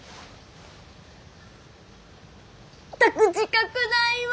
ったく自覚ないわ！